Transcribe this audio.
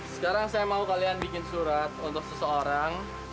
sekarang saya mau kalian bikin surat untuk seseorang